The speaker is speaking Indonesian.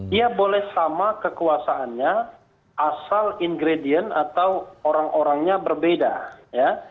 dia boleh sama kekuasaannya asal ingredient atau orang orangnya berbeda ya